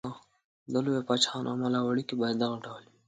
د لویو پاچاهانو عمل او اړېکې باید دغه ډول وي.